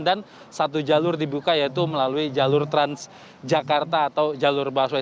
dan satu jalur dibuka yaitu melalui jalur transjakarta atau jalur baswai